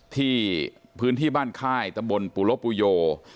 ที่พื้นที่บ้านค่ายตำบลปุโลปุโย